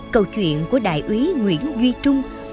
câu chuyện của đại úy nguyễn duy trung